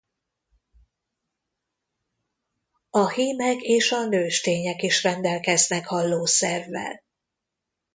A hímek és a nőstények is rendelkeznek hallószervvel.